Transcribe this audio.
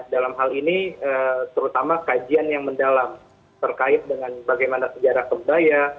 dalam hal ini terutama kajian yang mendalam terkait dengan bagaimana sejarah kebaya